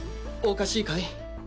おかしいかい？